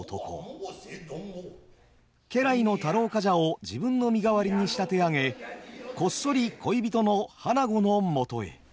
家来の太郎冠者を自分の身代わりに仕立て上げこっそり恋人の花子のもとへ。